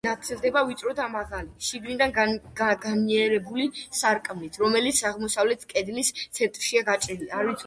ეკლესია ნათდება ვიწრო და მაღალი, შიგნიდან გაგანიერებული სარკმლით, რომელიც აღმოსავლეთ კედლის ცენტრშია გაჭრილი.